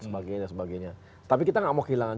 sebagainya sebagainya tapi kita nggak mau kehilangan